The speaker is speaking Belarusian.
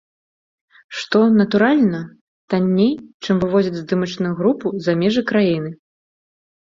Што, натуральна, танней, чым вывозіць здымачную групу за межы краіны.